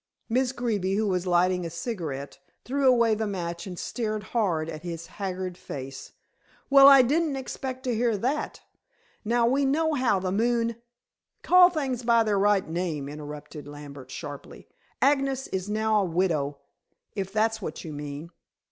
Miss Greeby, who was lighting a cigarette, threw away the match and stared hard at his haggard face. "Well, I didn't expect to hear that, now we know how the moon " "Call things by their right name," interrupted Lambert, sharply. "Agnes is now a widow, if that's what you mean."